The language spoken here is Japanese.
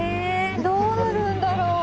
どうなるんだろう？